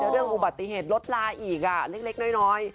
แล้วเรื่องอุบัติเหตุลดลาอีกอะเล็กน้อย